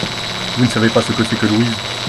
Vous ne savez pas ce que c’est que Louise !